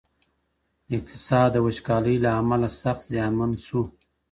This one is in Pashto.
اقتصاد د وچکالی له امله سخت زیانمن سو.